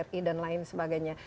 ri dan lain sebagainya